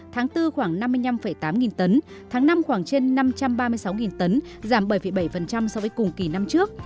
tháng bốn khoảng năm mươi năm tám nghìn tấn tháng năm khoảng trên năm trăm ba mươi sáu tấn giảm bảy bảy so với cùng kỳ năm trước